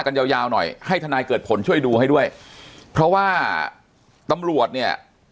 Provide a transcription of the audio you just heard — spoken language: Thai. ยาวยาวหน่อยให้ทนายเกิดผลช่วยดูให้ด้วยเพราะว่าตำรวจเนี่ย